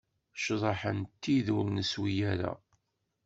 Cḍeḥ n tid ur neswi ara.